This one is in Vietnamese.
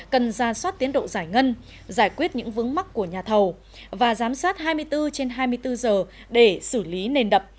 cần ra soát tiến độ giải ngân giải quyết những vướng mắc của nhà thầu và giám sát hai mươi bốn trên hai mươi bốn giờ để xử lý nền đập